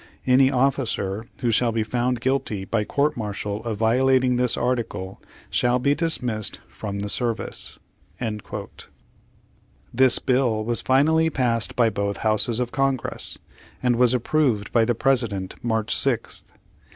Any officer who shall be found guilty by court martial of violating this article shall be dismissed from the service." This bill was finally passed by both Houses of Congress, and was approved by the President March 6th.